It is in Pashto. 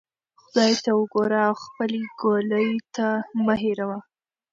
خدای ته وګوره او خپلې ګولۍ مه هیروه.